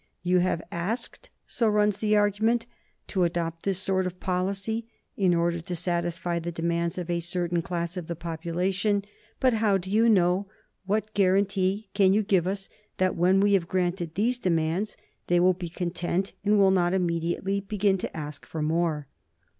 "You are asked" so runs the argument "to adopt this sort of policy in order to satisfy the demands of a certain class of the population; but how do you know, what guarantee can you give us, that when we have granted these demands they will be content and will not immediately begin to ask for more?